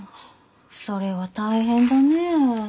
それは大変だねえ。